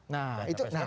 nah itu nah